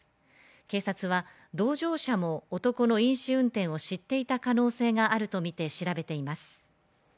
警察は同乗者も男の飲酒運転を知っていた可能性があるとみて調べています。